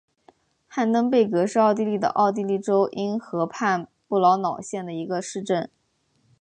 汉登贝格是奥地利上奥地利州因河畔布劳瑙县的一个市镇。